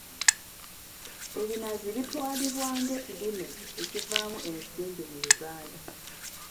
Ebinazi bitwalibwa nga ekirime ekivaamu ensimbi mu Uganda.